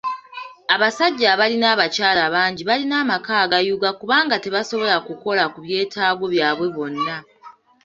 Abasajja abalina abakyala abangi balina amaka agayuuga kubanga tebasobola kukola ku byetaago byabwe bonna.